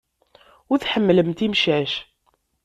Ur tḥemmlemt imcac.